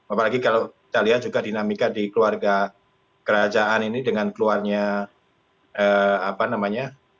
apalagi kalau kita lihat juga dinamika di keluarga kerajaan ini dengan keluarnya apa namanya